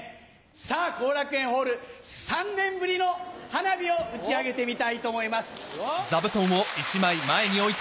さぁ後楽園ホール３年ぶりの花火を打ち上げてみたいと思います。